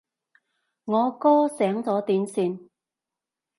我哥醒咗點算？